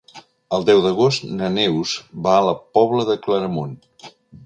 El deu d'agost na Neus va a la Pobla de Claramunt.